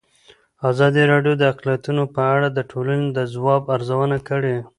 ازادي راډیو د اقلیتونه په اړه د ټولنې د ځواب ارزونه کړې.